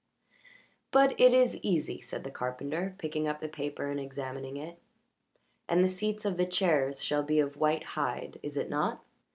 "But it is easy," said the carpenter, picking up the paper and examining it. "And the seats of the chairs shall be of white hide, is it not?"